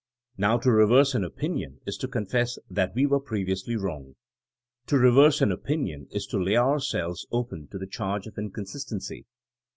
Now to reverse an opinion is to confess that we were previously wrong. To reverse an opinion is to lay our selves open to the charge of inconsistency.